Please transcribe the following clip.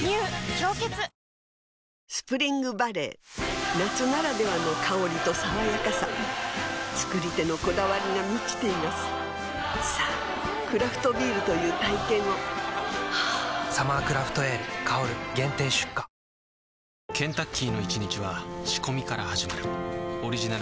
「氷結」スプリングバレー夏ならではの香りと爽やかさ造り手のこだわりが満ちていますさぁクラフトビールという体験を「サマークラフトエール香」限定出荷こってりの名を冠したこってり唐揚げをジャッジ！